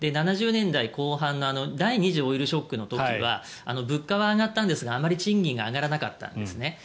７０年代後半の第２次オイルショックの時は物価は上がったんですがあまり賃金が上がらなかったんですね。